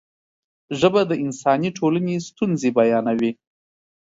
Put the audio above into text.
ژبه د انساني ټولنې ستونزې بیانوي.